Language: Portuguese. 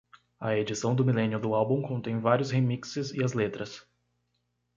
A edição do milênio do álbum contém vários remixes e as letras.